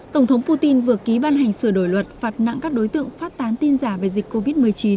tổng thống putin vừa ký ban hành sửa đổi luật phạt nặng các đối tượng phát tán tin giả về dịch covid một mươi chín